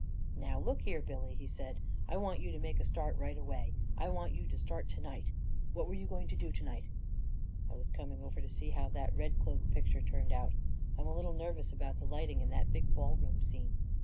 11 Now, look here, Billy," he said, " I want you to make a start, anyway. I want you to start to . night. What were you going to do to night?" " I was coming over to see how that ' Red Cloak ' picture turned out. I'm a little nervous about the lighting in that big ball room scene."